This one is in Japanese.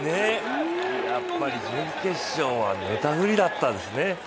やっぱり準決勝は寝たふりだったんですね。